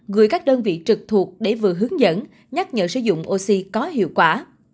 gửi các đơn vị trực thuộc để vừa hướng dẫn nhắc nhở sử dụng oxy có hiệu quả